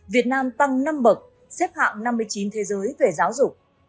việt nam tăng năm bậc xếp hạng năm mươi chín thế giới về giáo dục